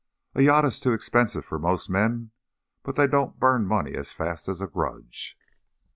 "A yacht is too expensive for most men, but they don't burn money as fast as a grudge."